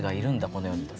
この世にと。